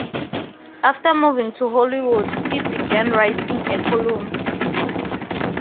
After moving to Hollywood, he began writing a column.